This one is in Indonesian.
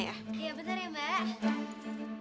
iya bentar ya mbak